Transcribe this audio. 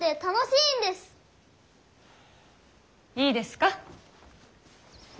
いいですか。